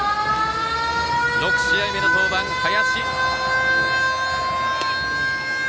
６試合目の登板、林。